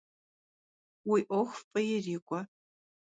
Уи ӏуэху фӏы ирикӏуэ!